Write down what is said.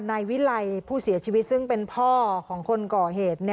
นายวิไลผู้เสียชีวิตซึ่งเป็นพ่อของคนก่อเหตุ